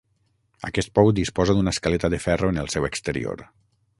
Aquest pou disposa d'una escaleta de ferro en el seu exterior.